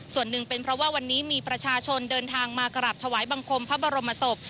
ส่วนหนึ่งเป็นเพราะว่าวันนี้มีประชาชนเดินทางมากราบถวายบังคมพระบรมศพ